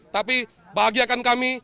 tapi bagiakan kami